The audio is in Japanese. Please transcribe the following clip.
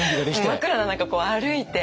真っ暗な中こう歩いて。